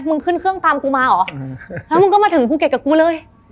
ขึ้นเครื่องตามกูมาเหรอแล้วมึงก็มาถึงภูเก็ตกับกูเลย